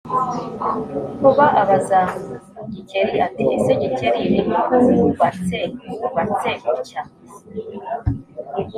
Nkuba abaza Gikeli ati: »ese Gikeli, nikuwubatse wubatse utya